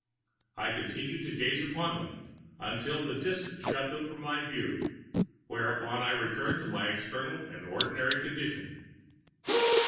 I continued to gaze upon them until the distance shut them from my view,—whereupon I returned to my external and ordinary condition.